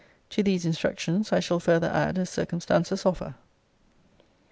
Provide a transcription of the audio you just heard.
To these instructions I shall further add as circumstances offer.